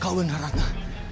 kau benar ratna